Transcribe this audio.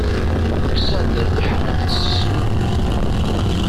Kkseɣ-d rriḥan akked sisnu.